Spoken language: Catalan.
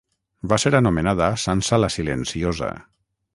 Va ser anomenada Sança la Silenciosa.